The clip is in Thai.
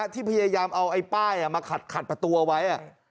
ที่พยายามเอาไอ้ป้ายมาขัดประตูเอาไว้